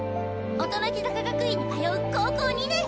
音ノ木坂学院に通う高校２年！